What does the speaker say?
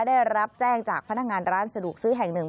ได้รับแจ้งจากพนักงานร้านสะดวกซื้อแห่งหนึ่ง